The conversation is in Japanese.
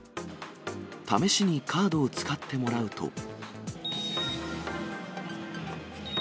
試しにカードを使ってもらうと。